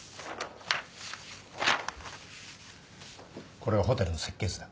これはホテルの設計図だ。